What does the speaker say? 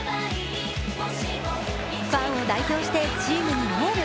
ファンを代表してチームにエール。